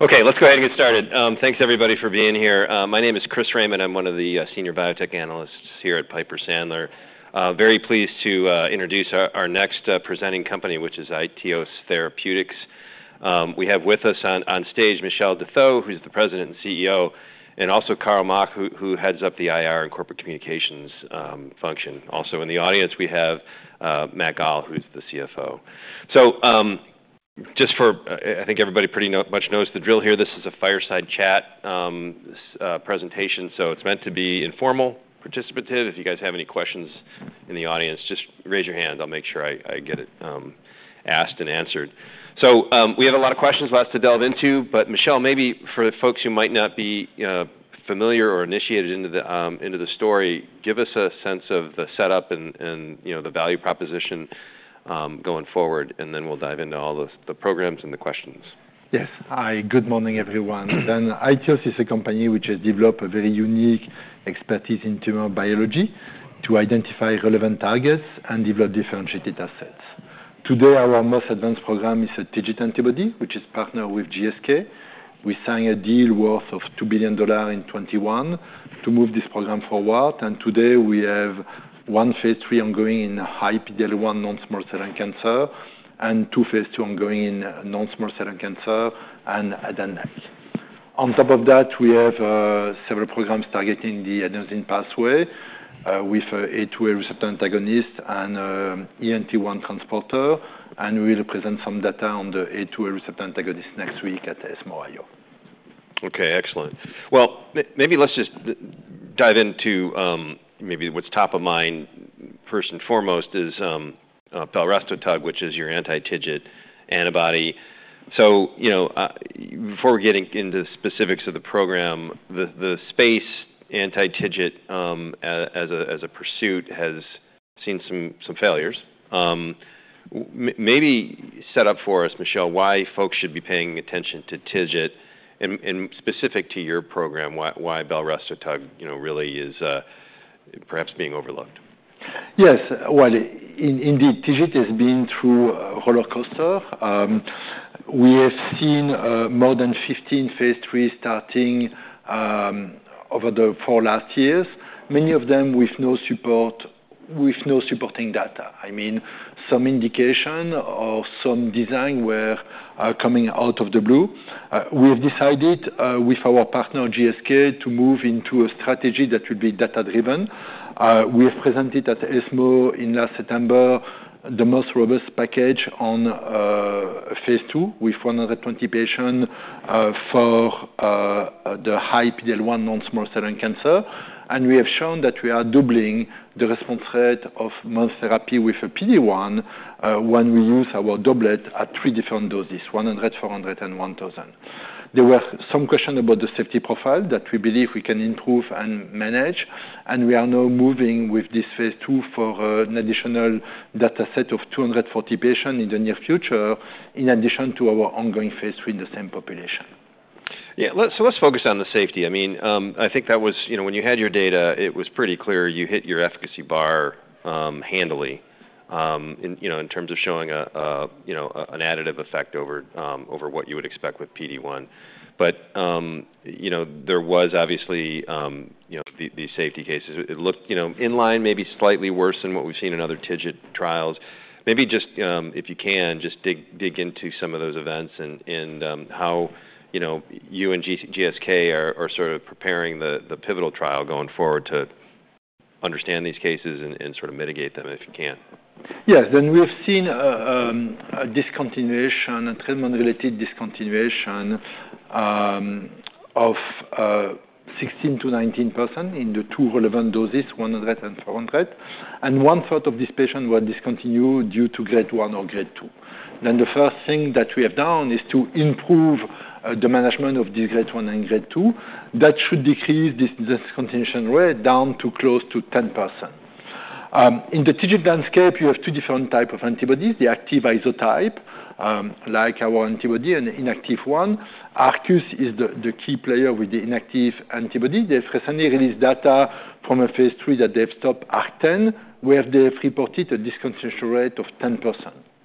Okay, let's go ahead and get started. Thanks, everybody, for being here. My name is Chris Raymond. I'm one of the senior biotech analysts here at Piper Sandler. Very pleased to introduce our next presenting company, which is iTeos Therapeutics. We have with us on stage Michel Detheux, who's the president and CEO, and also Carl Mauch, who heads up the IR and corporate communications function. Also, in the audience, we have Matt Gall, who's the CFO. So just for, I think everybody pretty much knows the drill here, this is a fireside chat presentation. So it's meant to be informal, participative. If you guys have any questions in the audience, just raise your hand. I'll make sure I get it asked and answered. So we have a lot of questions left to delve into. But Michel, maybe for folks who might not be familiar or initiated into the story, give us a sense of the setup and the value proposition going forward, and then we'll dive into all the programs and the questions. Yes. Hi, good morning, everyone. iTeos is a company which has developed a very unique expertise in tumor biology to identify relevant targets and develop differential data sets. Today, our most advanced program is a TIGIT antibody, which is partnered with GSK. We signed a deal worth $2 billion in 2021 to move this program forward. And today, we have one phase II ongoing in high PD-L1 non-small cell lung cancer and two phase II ongoing in non-small cell lung cancer and head and neck. On top of that, we have several programs targeting the adenosine pathway with A2A receptor antagonist and ENT1 transporter. And we will present some data on the A2A receptor antagonist next week at ESMO IO. Okay, excellent. Well, maybe let's just dive into maybe what's top of mind. First and foremost is belrestotug, which is your anti-TIGIT antibody. So before we get into the specifics of the program, the space anti-TIGIT as a pursuit has seen some failures. Maybe set up for us, Michel, why folks should be paying attention to TIGIT. And specific to your program, why belrestotug really is perhaps being overlooked. Yes. Well, indeed, TIGIT has been through a roller coaster. We have seen more than 15 phase III starting over the last four years, many of them with no supporting data. I mean, some indication or some design were coming out of the blue. We have decided with our partner, GSK, to move into a strategy that will be data-driven. We have presented at ESMO in last September the most robust package on phase II with 120 patients for the high PD-L1 non-small cell lung cancer. And we have shown that we are doubling the response rate of mono therapy with a PD-1 when we use our doublet at three different doses, 100, 400, and 1,000. There were some questions about the safety profile that we believe we can improve and manage. We are now moving with this phase II for an additional data set of 240 patients in the near future, in addition to our ongoing phase III in the same population. Yeah. So let's focus on the safety. I mean, I think that was when you had your data, it was pretty clear you hit your efficacy bar handily in terms of showing an additive effect over what you would expect with PD-1. But there was obviously these safety cases. It looked in line, maybe slightly worse than what we've seen in other TIGIT trials. Maybe just if you can, just dig into some of those events and how you and GSK are sort of preparing the pivotal trial going forward to understand these cases and sort of mitigate them if you can. Yes, then we have seen a discontinuation, a treatment-related discontinuation of 16%-19% in the two relevant doses, 100 and 400. One third of these patients were discontinued due to grade 1 or grade 2. The first thing that we have done is to improve the management of these grade 1 and grade 2. That should decrease this discontinuation rate down to close to 10%. In the TIGIT landscape, you have two different types of antibodies: the active isotype, like our antibody, and the inactive one. Arcus is the key player with the inactive antibody. They have recently released data from a phase III that they have stopped, ARC-10, where they have reported a discontinuation rate of 10%.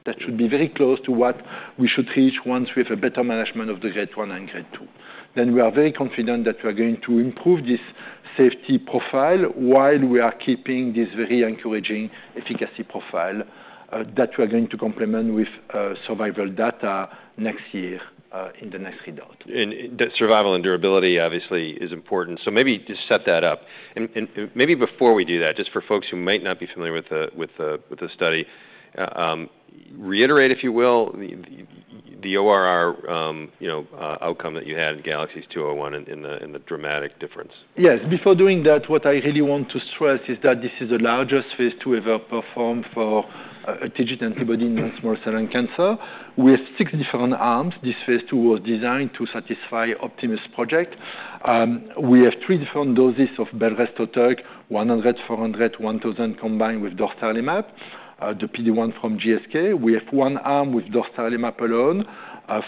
That should be very close to what we should reach once we have a better management of the grade 1 and grade 2. Then, we are very confident that we are going to improve this safety profile while we are keeping this very encouraging efficacy profile that we are going to complement with survival data next year in the next three days. And survival and durability, obviously, is important. So maybe just set that up. And maybe before we do that, just for folks who might not be familiar with the study, reiterate, if you will, the ORR outcome that you had in GALAXIES 201 and the dramatic difference. Yes. Before doing that, what I really want to stress is that this is the largest phase II ever performed for a TIGIT antibody in non-small cell lung cancer. We have six different arms. This phase II was designed to satisfy Project Optimus. We have three different doses of belrestotug, 100, 400, 1,000 combined with dostarlimab, the PD-1 from GSK. We have one arm with dostarlimab alone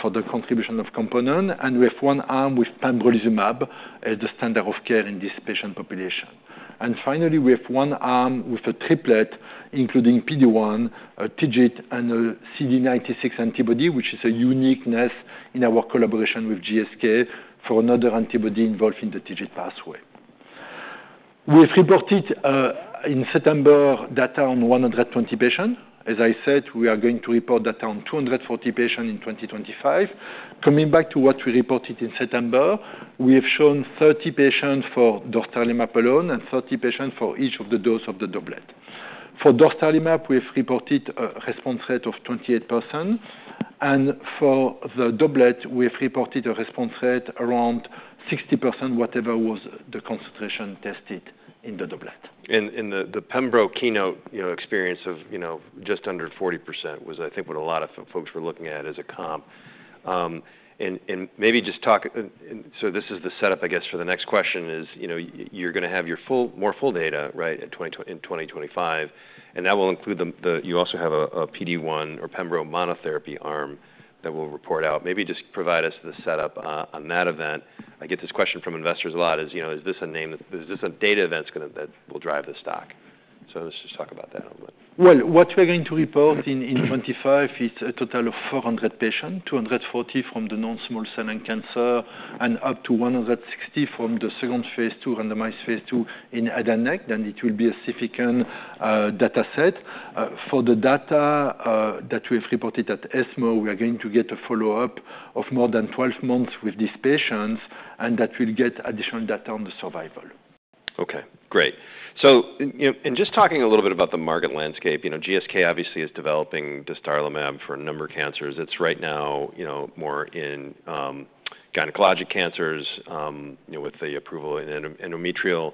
for the contribution of component, and we have one arm with pembrolizumab as the standard of care in this patient population, and finally, we have one arm with a triplet, including PD-1, a TIGIT, and a CD96 antibody, which is a uniqueness in our collaboration with GSK for another antibody involved in the TIGIT pathway. We have reported in September data on 120 patients. As I said, we are going to report data on 240 patients in 2025. Coming back to what we reported in September, we have shown 30 patients for dostarlimab alone and 30 patients for each of the doses of the doublet. For dostarlimab, we have reported a response rate of 28%, and for the doublet, we have reported a response rate around 60%, whatever was the concentration tested in the doublet. The Pembro KEYNOTE experience of just under 40% was, I think, what a lot of folks were looking at as a comp. And maybe just talk so this is the setup, I guess, for the next question is you're going to have your more full data in 2025. And that will include you also have a PD-1 or Pembro monotherapy arm that will report out. Maybe just provide us the setup on that event. I get this question from investors a lot is, is this a name that is this a data event that will drive the stock? So let's just talk about that a little bit. What we're going to report in 2025 is a total of 400 patients, 240 from the non-small cell lung cancer and up to 160 from the second phase II, randomized phase II in head and neck squamous cell carcinoma. Then it will be a significant data set. For the data that we have reported at ESMO, we are going to get a follow-up of more than 12 months with these patients. That will get additional data on the survival. Okay, great. So in just talking a little bit about the market landscape, GSK obviously is developing dostarlimab for a number of cancers. It's right now more in gynecologic cancers with the approval in endometrial.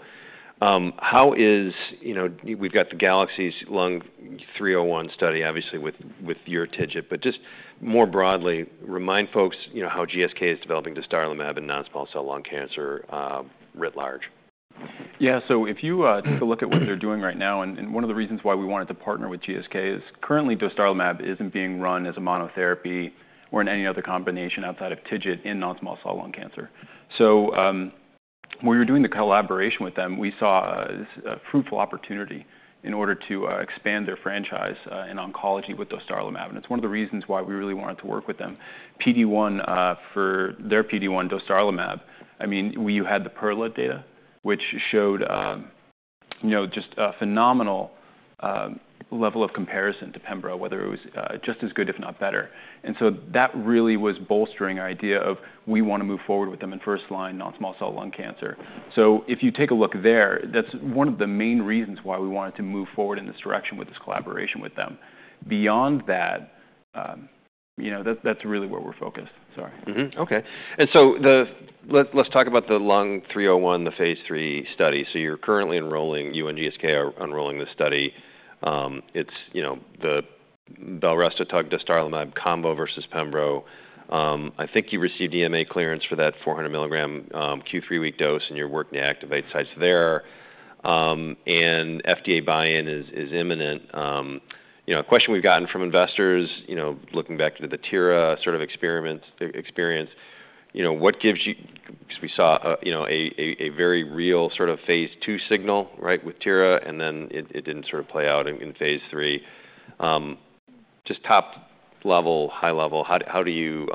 However, we've got the GALAXIES Lung-301 study, obviously, with your TIGIT. But just more broadly, remind folks how GSK is developing dostarlimab in non-small cell lung cancer writ large. Yeah. If you take a look at what they're doing right now, and one of the reasons why we wanted to partner with GSK is currently, dostarlimab isn't being run as a monotherapy or in any other combination outside of TIGIT in non-small cell lung cancer. So when we were doing the collaboration with them, we saw a fruitful opportunity in order to expand their franchise in oncology with dostarlimab. And it's one of the reasons why we really wanted to work with them. PD-1, for their PD-1, dostarlimab, I mean, you had the PERLA data, which showed just a phenomenal level of comparison to Pembro, whether it was just as good, if not better. And so that really was bolstering our idea of we want to move forward with them in first line non-small cell lung cancer. So if you take a look there, that's one of the main reasons why we wanted to move forward in this direction with this collaboration with them. Beyond that, that's really where we're focused. Sorry. Okay. And so let's talk about the Lung-301, the phase III study. So you're currently enrolling, and GSK are enrolling the study. It's the belrestotug, dostarlimab combo versus Pembro. I think you received EMA clearance for that 400 milligram Q3 week dose, and you're working to activate sites there. And FDA buy-in is imminent. A question we've gotten from investors, looking back to the Tira sort of experience, what gives you because we saw a very real sort of phase II signal with Tira, and then it didn't sort of play out in phase III. Just top level, high level, how do you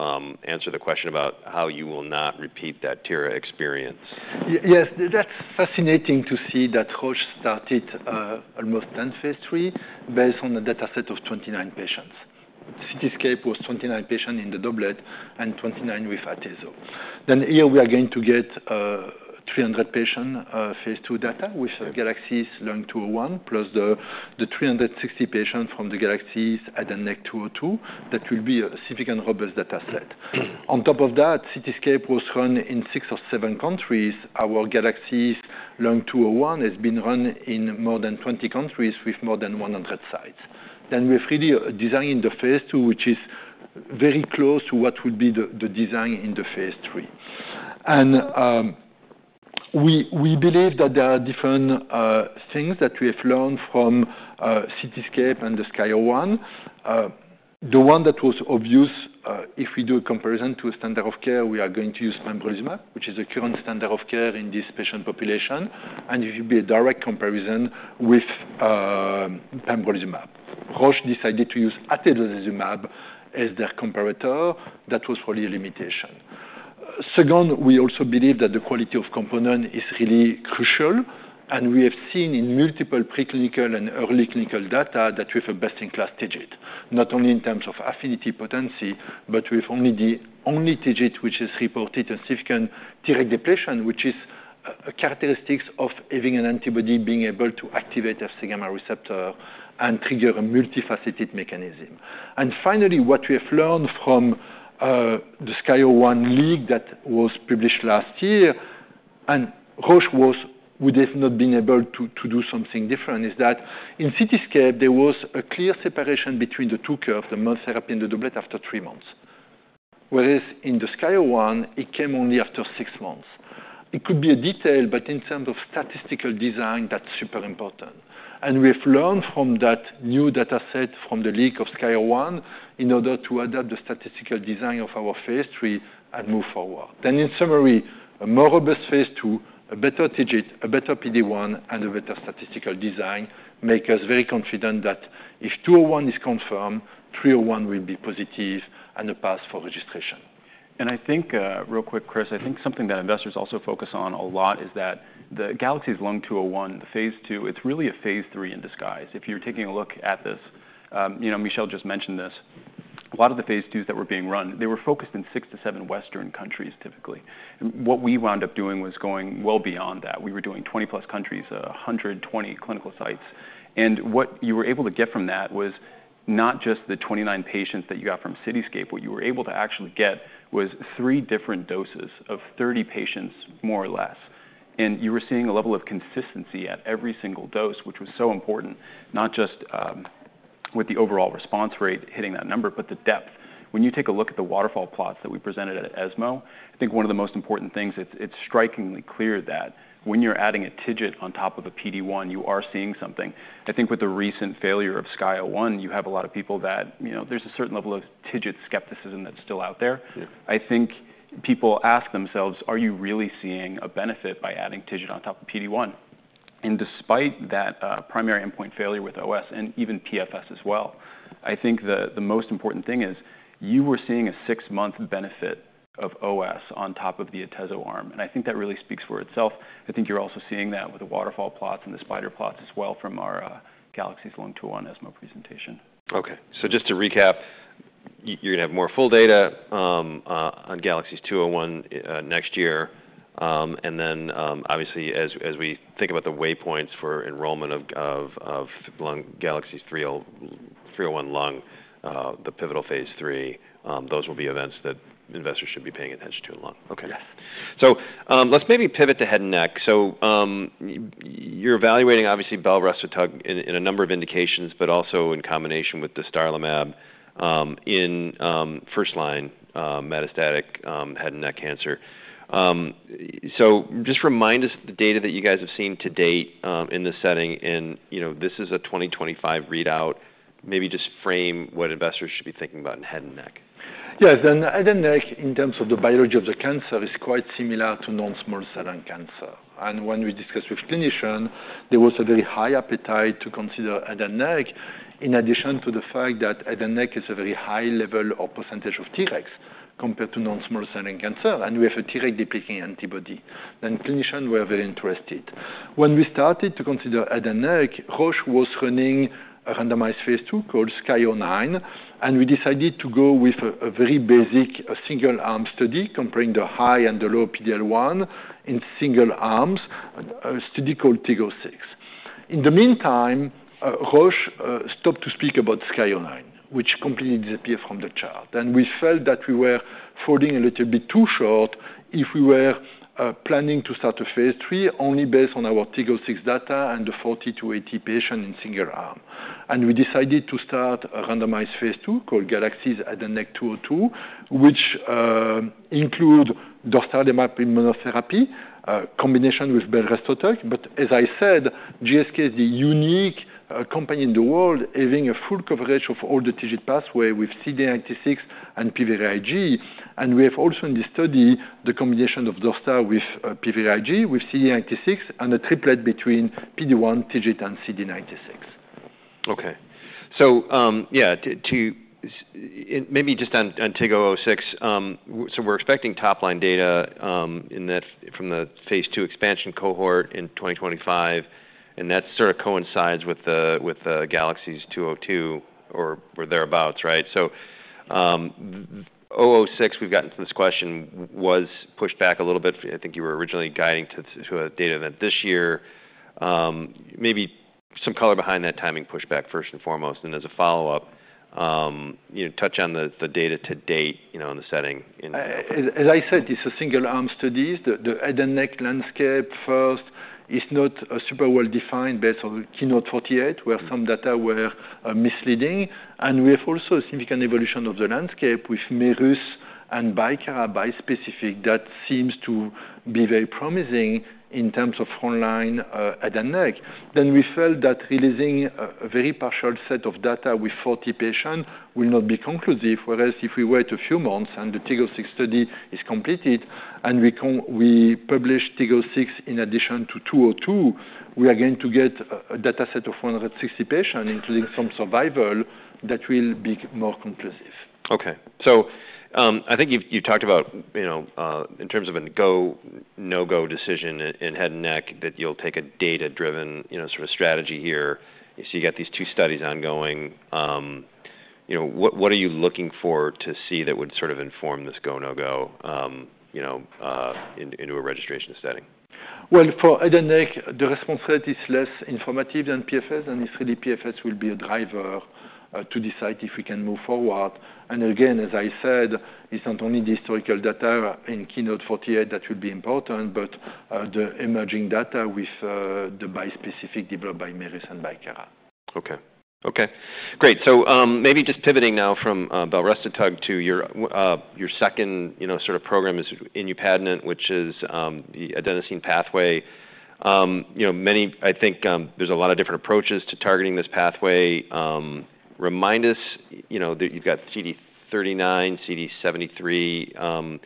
answer the question about how you will not repeat that Tira experience? Yes. That's fascinating to see that Roche started almost 10 phase III based on a data set of 29 patients. CITYSCAPE was 29 patients in the doublet and 29 with Atezo. Then here, we are going to get 300-patient phase II data with GALAXIES Lung-201, plus the 360 patients from the GALAXIES HNSCC-202. That will be a significant robust data set. On top of that, CITYSCAPE was run in six or seven countries. Our GALAXIES Lung-201 has been run in more than 20 countries with more than 100 sites. Then we have really designed the phase II, which is very close to what would be the design in the phase III. And we believe that there are different things that we have learned from CITYSCAPE and the SKYSCRAPER-01. The one that was obvious, if we do a comparison to a standard of care, we are going to use pembrolizumab, which is the current standard of care in this patient population. And it will be a direct comparison with pembrolizumab. Roche decided to use atezolizumab as their comparator. That was for the limitation. Second, we also believe that the quality of component is really crucial. And we have seen in multiple preclinical and early clinical data that we have a best-in-class TIGIT, not only in terms of affinity potency, but we have only the only TIGIT which is reported as significant Treg depletion, which is a characteristic of having an antibody being able to activate Fc gamma receptor and trigger a multifaceted mechanism. Finally, what we have learned from the SKY01 leak that was published last year, and Roche would have not been able to do something different, is that in CITYSCAPE, there was a clear separation between the two curves, the monotherapy and the doublet, after three months. Whereas in the SKY01, it came only after six months. It could be a detail, but in terms of statistical design, that's super important. And we have learned from that new data set from the leak of SKY01 in order to adapt the statistical design of our phase III and move forward. In summary, a more robust phase II, a better TIGIT, a better PD-1, and a better statistical design make us very confident that if 201 is confirmed, 301 will be positive and a pass for registration. I think real quick, Chris, I think something that investors also focus on a lot is that the GALAXIES Lung-201, the phase II, it's really a phase III in disguise. If you're taking a look at this, Michel just mentioned this, a lot of the phase IIs that were being run, they were focused in six to seven Western countries, typically. What we wound up doing was going well beyond that. We were doing 20 plus countries, 120 clinical sites. And what you were able to get from that was not just the 29 patients that you got from CITYSCAPE. What you were able to actually get was three different doses of 30 patients, more or less. And you were seeing a level of consistency at every single dose, which was so important, not just with the overall response rate hitting that number, but the depth. When you take a look at the waterfall plots that we presented at ESMO, I think one of the most important things, it's strikingly clear that when you're adding a TIGIT on top of a PD-1, you are seeing something. I think with the recent failure of SKY01, you have a lot of people that there's a certain level of TIGIT skepticism that's still out there. I think people ask themselves, are you really seeing a benefit by adding TIGIT on top of PD-1, and despite that primary endpoint failure with OS and even PFS as well, I think the most important thing is you were seeing a six-month benefit of OS on top of the ATEZO arm, and I think that really speaks for itself. I think you're also seeing that with the waterfall plots and the spider plots as well from our GALAXIES Lung-201 ESMO presentation. Okay, so just to recap, you're going to have more full data on Galaxies 201 next year, and then, obviously, as we think about the waypoints for enrollment of Galaxies 301 lung, the pivotal phase III, those will be events that investors should be paying attention to in lung. Yes. So let's maybe pivot to head and neck. So you're evaluating, obviously, belrestotug in a number of indications, but also in combination with dostarlimab in first line metastatic head and neck cancer. So just remind us the data that you guys have seen to date in this setting. And this is a 2025 readout. Maybe just frame what investors should be thinking about in head and neck. Yes. Head and neck, in terms of the biology of the cancer, is quite similar to non-small cell lung cancer. When we discussed with clinicians, there was a very high appetite to consider head and neck, in addition to the fact that head and neck is a very high level or percentage of Tregs compared to non-small cell lung cancer. We have a Treg depleting antibody. Then clinicians were very interested. When we started to consider head and neck, Roche was running a randomized phase II called SKY09. We decided to go with a very basic single arm study, comparing the high and the low PD-1 in single arms, a study called TIG-006. In the meantime, Roche stopped speaking about SKY09, which completely disappeared from the chart. We felt that we were falling a little bit too short if we were planning to start a phase III only based on our TIG-006 data and the 40 to 80 patients in single arm. We decided to start a randomized phase II called GALAXIES HNSCC-202, which includes dostarlimab immunotherapy combination with belrestotug. But as I said, GSK is the unique company in the world having a full coverage of all the TIGIT pathway with CD96 and PVRIG. We have also in the study the combination of dostarlimab with PVRIG with CD96 and a triplet between PD-1, TIGIT, and CD96. Okay. So yeah, maybe just on TIG-006. So we're expecting top-line data from the phase II expansion cohort in 2025. And that sort of coincides with GALAXIES-202 or thereabouts, right? So TIG-006, we've gotten to this question, was pushed back a little bit. I think you were originally guiding to a data event this year. Maybe some color behind that timing pushback, first and foremost. And as a follow-up, touch on the data to date in the setting. As I said, these are single arm studies. The head and neck landscape first is not super well defined based on KEYNOTE-048, where some data were misleading, and we have also a significant evolution of the landscape with Merus and Bicara bispecific that seems to be very promising in terms of front line head and neck, then we felt that releasing a very partial set of data with 40 patients will not be conclusive. Whereas if we wait a few months and the TIG-006 study is completed and we publish TIG-006 in addition to 202, we are going to get a data set of 160 patients, including some survival, that will be more conclusive. Okay. So I think you talked about, in terms of a go/no-go decision in head and neck, that you'll take a data-driven sort of strategy here. So you got these two studies ongoing. What are you looking for to see that would sort of inform this go/no-go into a registration setting? For head and neck, the ORR is less informative than PFS. It's really PFS will be a driver to decide if we can move forward. Again, as I said, it's not only the historical data in KEYNOTE-048 that will be important, but the emerging data with the bispecific developed by Merus and Bicara. Okay. Okay. Great. So maybe just pivoting now from belrestotug to your second sort of program in inupadenant, which is the adenosine pathway. I think there's a lot of different approaches to targeting this pathway. Remind us that you've got CD39, CD73.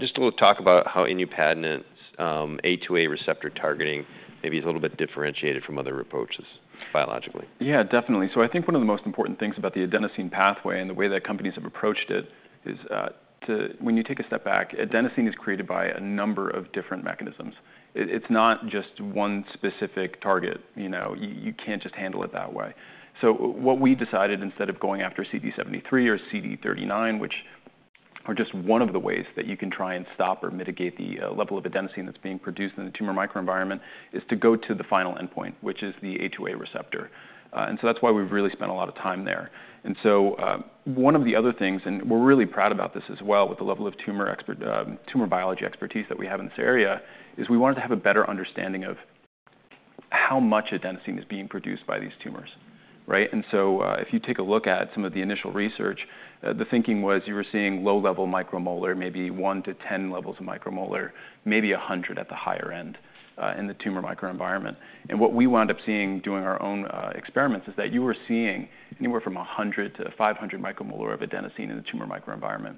Just a little talk about how in inupadenant, A2A receptor targeting maybe is a little bit differentiated from other approaches biologically. Yeah, definitely. So I think one of the most important things about the adenosine pathway and the way that companies have approached it is, when you take a step back, adenosine is created by a number of different mechanisms. It's not just one specific target. You can't just handle it that way. So what we decided, instead of going after CD73 or CD39, which are just one of the ways that you can try and stop or mitigate the level of adenosine that's being produced in the tumor microenvironment, is to go to the final endpoint, which is the A2A receptor. And so that's why we've really spent a lot of time there. One of the other things, and we're really proud about this as well, with the level of tumor biology expertise that we have in this area, is we wanted to have a better understanding of how much adenosine is being produced by these tumors. If you take a look at some of the initial research, the thinking was you were seeing low-level micromolar, maybe 1-10 levels of micromolar, maybe 100 at the higher end in the tumor microenvironment. What we wound up seeing doing our own experiments is that you were seeing anywhere from 100-500 micromolar of adenosine in the tumor microenvironment.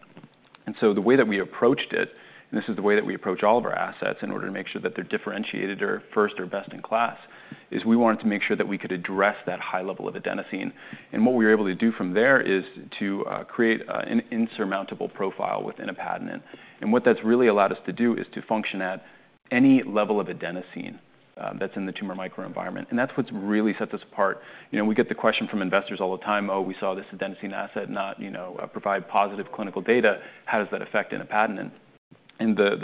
And so the way that we approached it, and this is the way that we approach all of our assets in order to make sure that they're differentiated or first or best in class, is we wanted to make sure that we could address that high level of adenosine. And what we were able to do from there is to create an insurmountable profile with inupadenant. And what that's really allowed us to do is to function at any level of adenosine that's in the tumor microenvironment. And that's what's really set this apart. We get the question from investors all the time, oh, we saw this adenosine asset not provide positive clinical data. How does that affect inupadenant? And the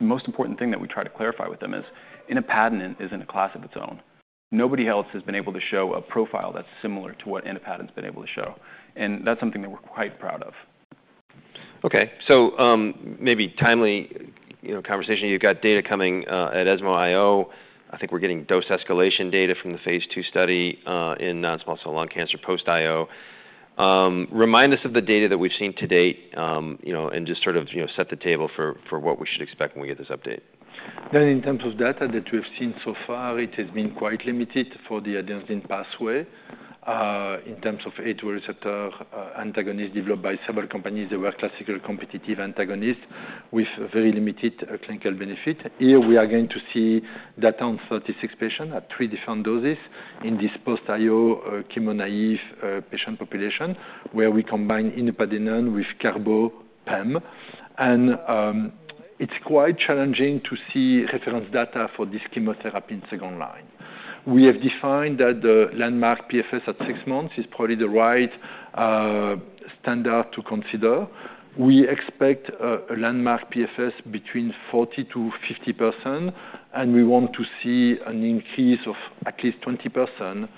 most important thing that we try to clarify with them is inupadenant is in a class of its own. Nobody else has been able to show a profile that's similar to what iTeos has been able to show, and that's something that we're quite proud of. Okay. So maybe timely conversation. You've got data coming at ESMO IO. I think we're getting dose escalation data from the phase II study in non-small cell lung cancer post IO. Remind us of the data that we've seen to date and just sort of set the table for what we should expect when we get this update. In terms of data that we have seen so far, it has been quite limited for the adenosine pathway. In terms of A2A receptor antagonist developed by several companies, there were classical competitive antagonists with very limited clinical benefit. Here we are going to see data on 36 patients at three different doses in this post IO chemo naive patient population, where we combine inupadenant with carboplatin. It's quite challenging to see reference data for this chemotherapy in second line. We have defined that the landmark PFS at six months is probably the right standard to consider. We expect a landmark PFS between 40%-50%. We want to see an increase of at least 20%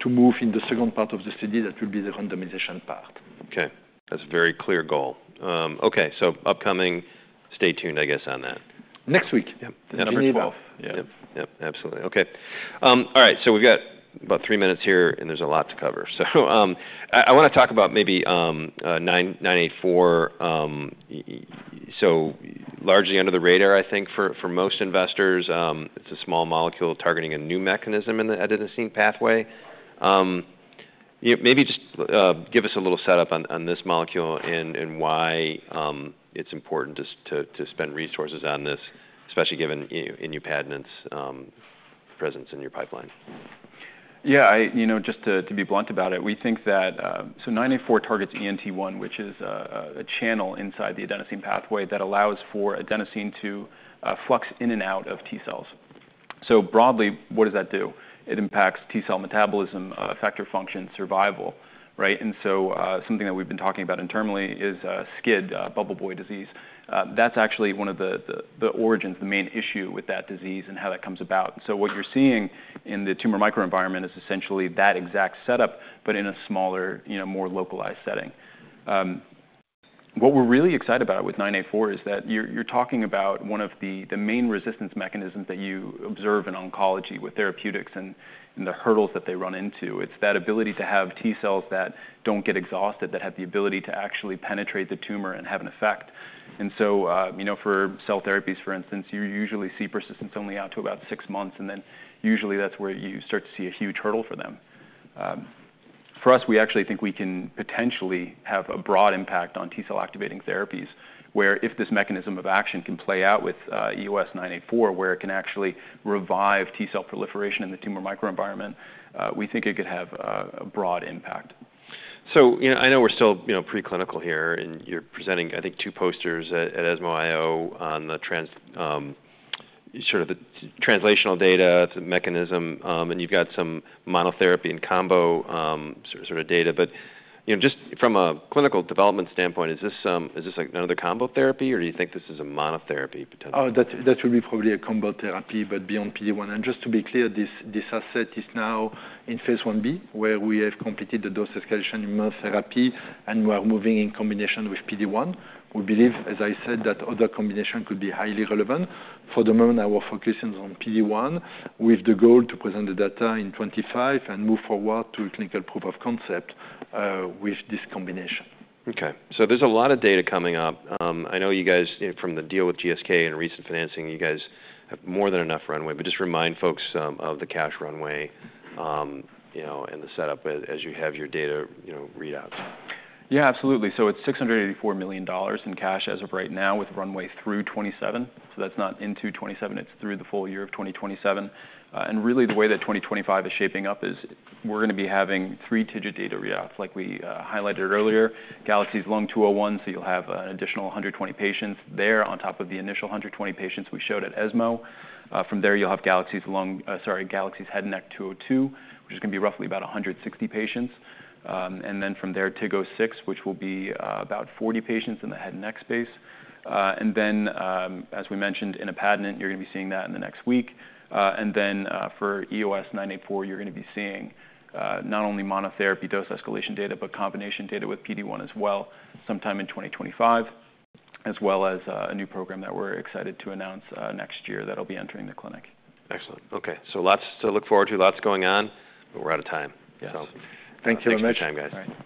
to move in the second part of the study that will be the randomization part. Okay. That's a very clear goal. Okay. So upcoming, stay tuned, I guess, on that. Next week. Next week. Yeah. Absolutely. Okay. All right. So we've got about three minutes here, and there's a lot to cover. So I want to talk about maybe EOS-984. So largely under the radar, I think, for most investors, it's a small molecule targeting a new mechanism in the adenosine pathway. Maybe just give us a little setup on this molecule and why it's important to spend resources on this, especially given inupadenant's presence in your pipeline. Yeah. Just to be blunt about it, we think that EOS-984 targets ENT1, which is a channel inside the adenosine pathway that allows for adenosine to flux in and out of T-cells. So broadly, what does that do? It impacts T-cell metabolism, effector function, survival. And so something that we've been talking about internally is SCID, bubble boy disease. That's actually one of the origins, the main issue with that disease and how that comes about. And so what you're seeing in the tumor microenvironment is essentially that exact setup, but in a smaller, more localized setting. What we're really excited about with EOS-984 is that you're talking about one of the main resistance mechanisms that you observe in oncology with therapeutics and the hurdles that they run into. It's that ability to have T-cells that don't get exhausted, that have the ability to actually penetrate the tumor and have an effect. And so for cell therapies, for instance, you usually see persistence only out to about six months. And then usually that's where you start to see a huge hurdle for them. For us, we actually think we can potentially have a broad impact on T-cell activating therapies, where if this mechanism of action can play out with EOS-984, where it can actually revive T-cell proliferation in the tumor microenvironment, we think it could have a broad impact. So I know we're still preclinical here. And you're presenting, I think, two posters at ESMO IO on sort of the translational data, the mechanism. And you've got some monotherapy and combo sort of data. But just from a clinical development standpoint, is this another combo therapy, or do you think this is a monotherapy potentially? Oh, that will be probably a combo therapy, but beyond PD-1. And just to be clear, this asset is now in phase Ib, where we have completed the dose escalation immunotherapy and we are moving in combination with PD-1. We believe, as I said, that other combination could be highly relevant. For the moment, our focus is on PD-1 with the goal to present the data in 2025 and move forward to a clinical proof of concept with this combination. Okay, so there's a lot of data coming up. I know you guys, from the deal with GSK and recent financing, you guys have more than enough runway. But just remind folks of the cash runway and the setup as you have your data readout. Yeah, absolutely. So it's $684 million in cash as of right now with runway through 27. So that's not into 27. It's through the full year of 2027. And really, the way that 2025 is shaping up is we're going to be having three-digit data readouts like we highlighted earlier, GALAXIES Lung-201. So you'll have an additional 120 patients there on top of the initial 120 patients we showed at ESMO. From there, you'll have GALAXIES Head and Neck 202, which is going to be roughly about 160 patients. And then from there, TIG-006, which will be about 40 patients in the head and neck space. And then, as we mentioned, Inupadenant, you're going to be seeing that in the next week. For EOS-984, you're going to be seeing not only monotherapy dose escalation data, but combination data with PD-1 as well sometime in 2025, as well as a new program that we're excited to announce next year that will be entering the clinic. Excellent. Okay. So lots to look forward to, lots going on, but we're out of time. Yes. Thanks very much. Take your time, guys.